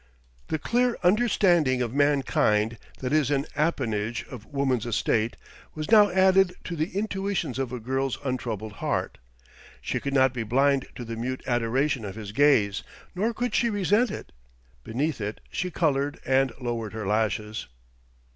The clear understanding of mankind that is an appanage of woman's estate, was now added to the intuitions of a girl's untroubled heart. She could not be blind to the mute adoration of his gaze; nor could she resent it. Beneath it she colored and lowered her lashes.